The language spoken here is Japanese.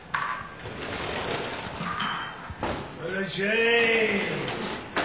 はいいらっしゃい！